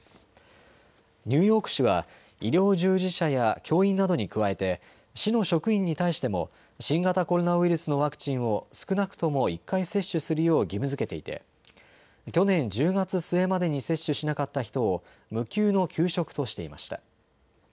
ニューヨーク市は医療従事者や教員などに加えて市の職員に対しても新型コロナウイルスのワクチンを少なくとも１回接種するよう義務づけていて去年１０月末までに接種しなかった人を無給の休職としていました。